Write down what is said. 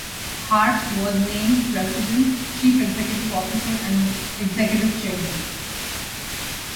Hart was named president, chief executive officer and executive chairman.